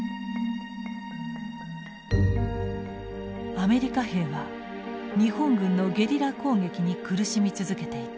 アメリカ兵は日本軍のゲリラ攻撃に苦しみ続けていた。